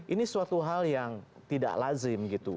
ini suatu hal yang tidak lazim gitu